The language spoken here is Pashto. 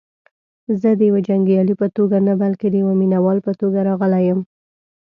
زه دیوه جنګیالي په توګه نه بلکې دیوه مینه وال په توګه راغلی یم.